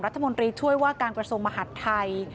รัฐมนตรีช่วยว่าการประสงค์มหาธัย